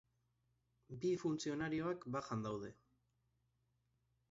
Bi funtzionarioak bajan daude.